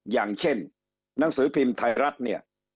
อย่างเช่นหนังสือพิมพ์ไทยรัฐเนี่ย